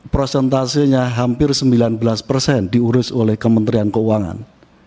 prosentasenya hampir sembilan belas persen diurus oleh kementerian keuangan